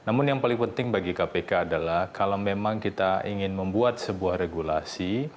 namun yang paling penting bagi kpk adalah kalau memang kita ingin membuat sebuah regulasi